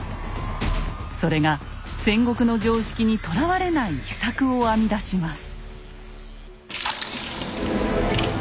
それが戦国の常識にとらわれない秘策を編み出します。